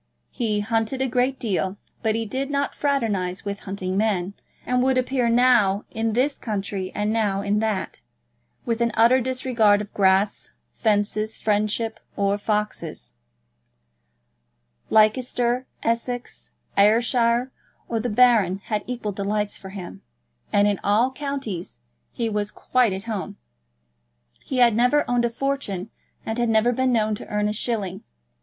He hunted a great deal, but he did not fraternise with hunting men, and would appear now in this county and now in that, with an utter disregard of grass, fences, friendships, or foxes. Leicester, Essex, Ayrshire, or the Baron had equal delights for him; and in all counties he was quite at home. He had never owned a fortune, and had never been known to earn a shilling.